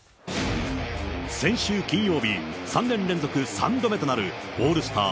先週金曜日、３年連続３度目となるオールスター